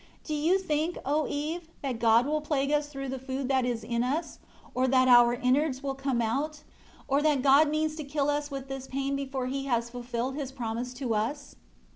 Do you think, O Eve, that God will plague us through the food that is in us, or that our innards will come out; or that God means to kill us with this pain before He has fulfilled His promise to us?"